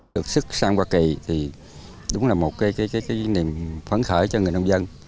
được xuất sang hoa kỳ thì đúng là một niềm phấn khởi cho người nông dân